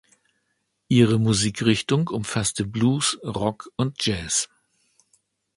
Ihre Musikrichtung umfasste Blues, Rock und Jazz.